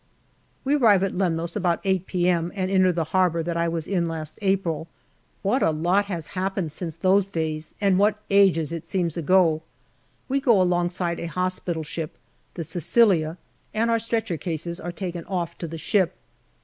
We arrive at Lemnos about 8 p.m. and enter the harbour that I was in last April. What a lot has happened since those days, and what ages it seems ago ! We go alongside a hospital ship, the Sicilia, and our stretcher cases are taken off on to the ship.